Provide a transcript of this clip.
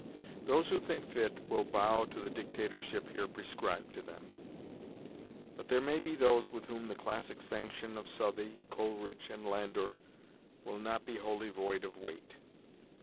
Those who think fit will bow to the dictatorship here prescribed to them; but there may be those with whom the classic sanction of Southey, Coleridge, and Landor will not be wholly void of weight.